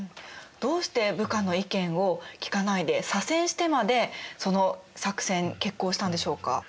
どうして部下の意見を聞かないで左遷してまでその作戦決行したんでしょうか？